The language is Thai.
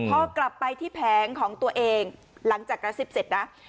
พอกลับไปที่แผงของตัวเองหลังจากกระซิบเสร็จนะ